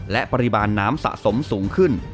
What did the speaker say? และปริมาณน้ำสะสมสูงขึ้น